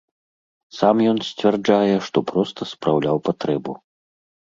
Сам ён сцвярджае, што проста спраўляў патрэбу.